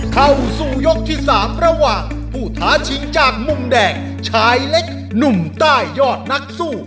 เข้าสู่ยกที่๓ระหว่างผู้ท้าชิงจากมุมแดงชายเล็กหนุ่มใต้ยอดนักสู้